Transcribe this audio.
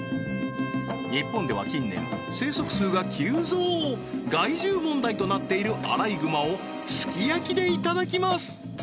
日本では近年生息数が急増害獣問題となっているアライグマをすき焼きでいただきます